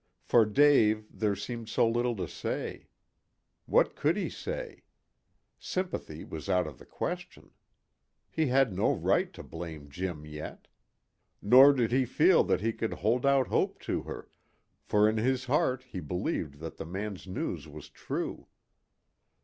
For Dave there seemed so little to say. What could he say? Sympathy was out of the question. He had no right to blame Jim yet. Nor did he feel that he could hold out hope to her, for in his heart he believed that the man's news was true.